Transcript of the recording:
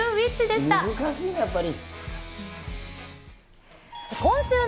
難しいな、やっぱり。